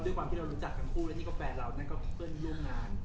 ด้วยความที่เรารู้จักทั้งคู่และนี่ก็แฟนเรานั่นก็เพื่อนร่วมงาน